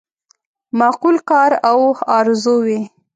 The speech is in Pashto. معقول کار او آرزو وي.